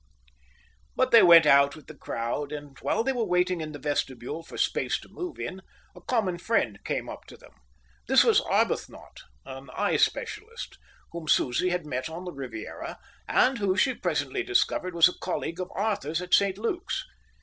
But they went out with the crowd, and while they were waiting in the vestibule for space to move in, a common friend came up to them. This was Arbuthnot, an eye specialist, whom Susie had met on the Riviera and who, she presently discovered, was a colleague of Arthur's at St Luke's.